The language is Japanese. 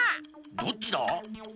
どっちだ？